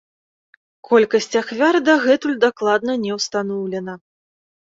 Колькасць ахвяр дагэтуль дакладна не ўстаноўлена.